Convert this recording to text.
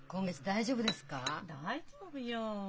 大丈夫よ。